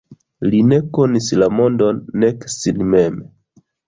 Li ne konis la mondon nek sin mem?